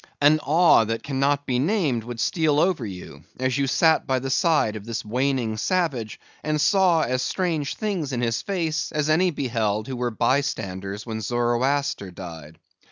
An awe that cannot be named would steal over you as you sat by the side of this waning savage, and saw as strange things in his face, as any beheld who were bystanders when Zoroaster died.